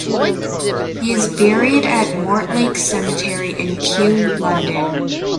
He is buried at Mortlake Cemetery in Kew, London.